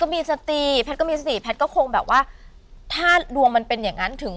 กับมีสติคกลพัทย์ก็ช่วงแบบว่าถ้าดวงมันเป็นอย่างนั้นถึง